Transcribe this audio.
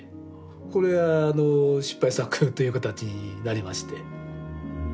これは失敗作という形になりまして。